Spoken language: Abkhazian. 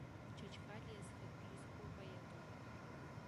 Чачхалиа зхатә бжьы зхоу поетуп.